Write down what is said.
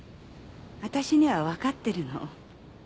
私にはわかってるの。